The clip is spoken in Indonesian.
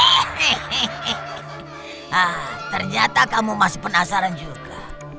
hehehe ternyata kamu masih penasaran juga